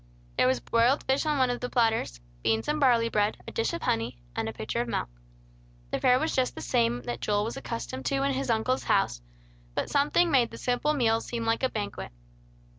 There was broiled fish on one of the platters, beans and barley bread, a dish of honey, and a pitcher of milk. The fare was just the same that Joel was accustomed to in his uncle's house; but something made the simple meal seem like a banquet.